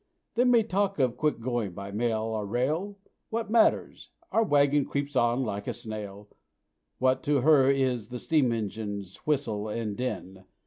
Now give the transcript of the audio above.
They may talk of quick going by mail or by rail What matters? our wagon creeps on like a snail; What to 'her' is the steam engine's whistle and din?